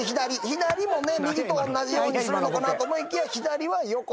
左もね右とおんなじようにするのかなと思いきや。